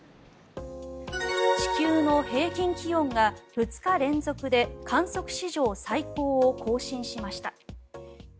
地球の平均気温が２日連続で観測史上最高を更新しました。